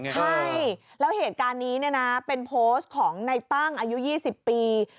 ใช่แล้วเหตุการณ์นี้เป็นโพสต์ของในตั้งอายุ๒๐ปี